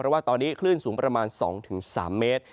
เพราะว่าตอนนี้คลื่นสูงประมาณ๒๓เมตร